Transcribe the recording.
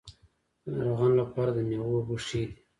د ناروغانو لپاره د میوو اوبه ښې دي.